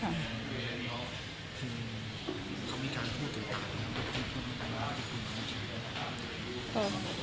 เขามีการพูดกันไหม